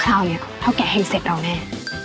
คราวนี้เท่าแก่เฮงเสร็จเราแน่